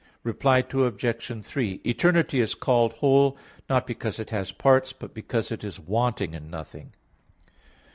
Reply Obj. 3: Eternity is called whole, not because it has parts, but because it is wanting in nothing.